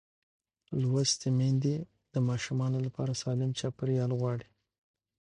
لوستې میندې د ماشوم لپاره سالم چاپېریال غواړي.